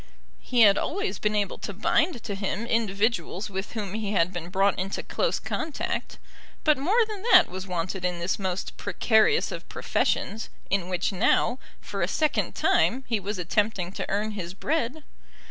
He had always been able to bind to him individuals with whom he had been brought into close contact; but more than that was wanted in this most precarious of professions, in which now, for a second time, he was attempting to earn his bread.